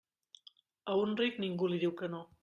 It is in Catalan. A un ric ningú li diu que no.